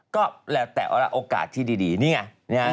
ก็แล้วแต่โอกาสที่ดีนี่ไง